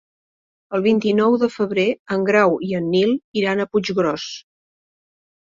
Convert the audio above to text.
El vint-i-nou de febrer en Grau i en Nil iran a Puiggròs.